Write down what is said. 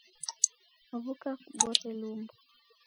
W'uka kubore lumbo